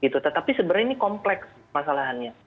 tetapi sebenarnya ini kompleks masalahannya